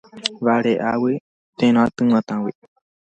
Vareʼágui térã tyguatãgui.